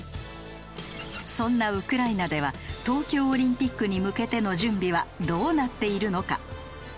そんなウクライナでは東京オリンピックに向けての準備はどうなっているのか？